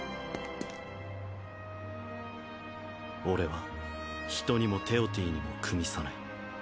俺はヒトにもテオティにもくみさない。